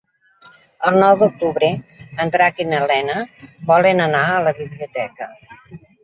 El nou d'octubre en Drac i na Lena volen anar a la biblioteca.